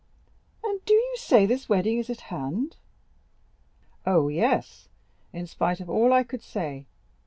"And do you say this wedding is at hand?" "Oh, yes, in spite of all I could say.